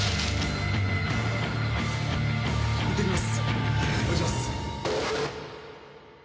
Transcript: いってきます。